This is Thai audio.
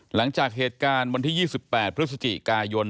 หลังจากเหตุการณ์วันที่๒๘พฤศจิกายน